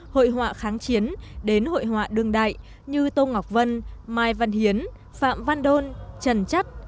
hội họa kháng chiến đến hội họa đương đại như tô ngọc vân mai văn hiến phạm văn đôn trần chất